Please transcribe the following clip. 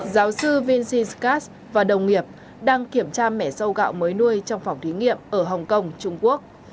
giáo sư vincin scast và đồng nghiệp đang kiểm tra mẻ sâu gạo mới nuôi trong phòng thí nghiệm ở hồng kông trung quốc